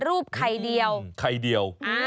รูปไข่เดียว